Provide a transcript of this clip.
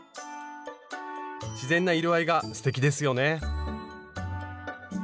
自然な色合いがすてきですよね。